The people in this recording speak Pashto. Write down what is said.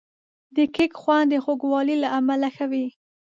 د کیک خوند د خوږوالي له امله ښه وي.